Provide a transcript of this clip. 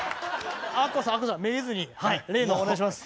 アッコさんアッコさんめげずに例のお願いします。